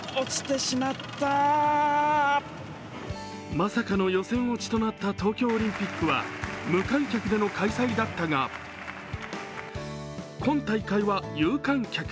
まさかの予選落ちとなった東京オリンピックは無観客での開催だったが、今大会は有観客。